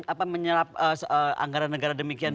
apa menyerap anggaran negara demikian